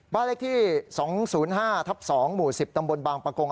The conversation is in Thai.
บ้านเลขที่๒๐๕ทับ๒หมู่๑๐ตำบลบางประกง